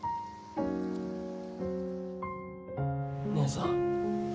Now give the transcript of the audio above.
義姉さん。